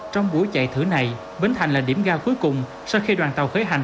trong buổi chạy thử này bến thành là điểm ga cuối cùng sau khi đoàn tàu khởi hành